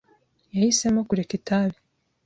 yahisemo kureka itabi.